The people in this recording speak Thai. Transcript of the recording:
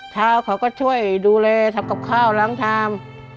เท้าเขาก็ช่วยดูแลทำกับข้าวล้างชาม